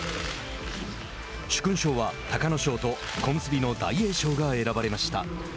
殊勲賞は隆の勝と小結の大栄翔が選ばれました。